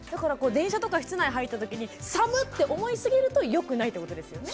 電車とか室内入った時に寒っ！って思いすぎると良くないってことですよね。